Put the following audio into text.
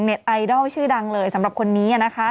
เน็ตไอดอลชื่อดังเลยสำหรับคนนี้